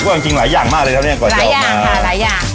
จริงหลายอย่างมากเลยครับเนี่ยกว่าจะทุกอย่างค่ะหลายอย่าง